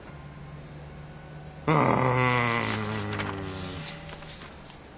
うん。